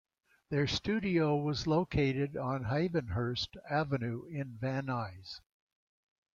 Their studio was located on Hayvenhurst Avenue in Van Nuys.